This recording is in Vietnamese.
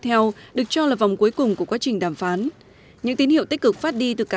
theo được cho là vòng cuối cùng của quá trình đàm phán những tín hiệu tích cực phát đi từ cả